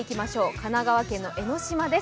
神奈川県の江の島です。